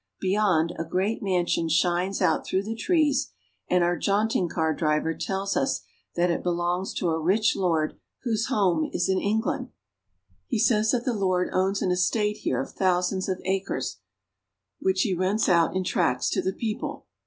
Beyond, a great mansion shines out through the trees, and our jaunting car driver tells us that it belongs to a rich lord whose home is in England. SOUTHERN IRELAND. 1 9 He says that the lord owns an estate here of thousands of acres, which he rents out in tracts to the people.